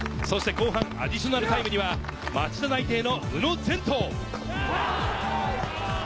そして後半アディショナルタイムには町田内定の宇野禅斗。